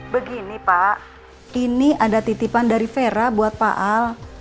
begini pak ini ada titipan dari vera buat pak al